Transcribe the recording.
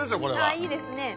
いいですね。